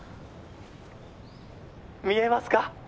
「見えますか？」。